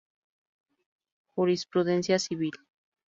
Jurisprudencia civil.